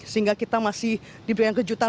sehingga kita masih diberikan kejutan